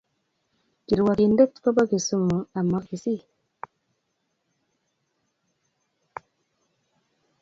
Kirwakindet ko ba Kisumu amo Kisii